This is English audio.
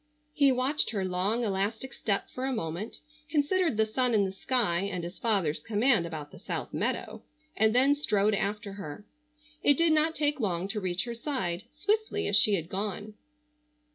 He watched her long, elastic step for a moment, considered the sun in the sky, and his father's command about the South meadow, and then strode after her. It did not take long to reach her side, swiftly as she had gone.